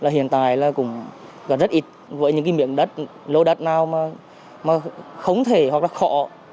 hiện tại cũng rất ít với những miệng đất lô đất nào mà không thể hoặc khọ